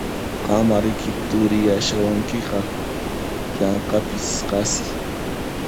Qanmá riki turiyashawankiqa yanqapis qasi!